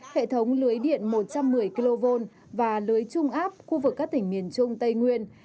hệ thống lưới điện một trăm một mươi kv và lưới trung áp khu vực các tỉnh miền trung tây nguyên